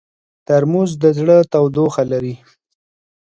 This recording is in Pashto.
ترموز د زړه تودوخه لري.